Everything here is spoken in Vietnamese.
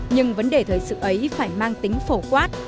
nhưng vấn đề thời sự ấy phải mang tính phổ quát